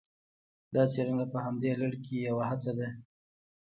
دا څېړنه په همدې لړ کې یوه هڅه ده